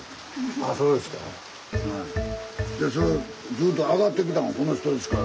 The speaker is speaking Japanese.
ずっと上がってきたのこの人ですから。